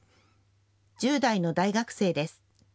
１０代の大学生です。